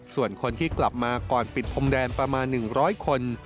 ส่วนคนที่กลับมาก่อนปิดพรมแดนประมาณ๑๐๐คน